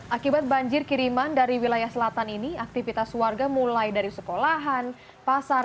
akibat banjir kiriman dari wilayah selatan ini aktivitas warga mulai dari sekolahan pasar